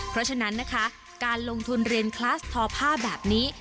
เพราะฉะนั้นนะคะการลงทุนเรียนคลาสทอผ้าแบบนี้